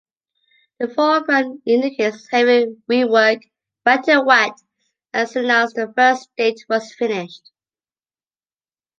The foreground indicates heavy rework, wet-in-wet, as soon as the first state was finished.